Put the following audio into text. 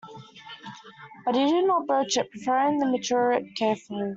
But he did not broach it, preferring to mature it carefully.